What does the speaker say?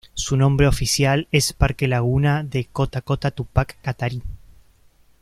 Su nombre oficial es Parque Laguna de Cota Cota Túpac Katari.